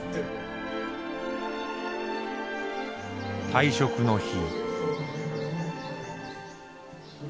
退職の日。